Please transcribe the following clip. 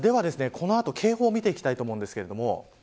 この後警報を見ていきたいと思います。